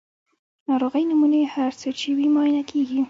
د ناروغۍ نمونې هر څه چې وي معاینه کیږي.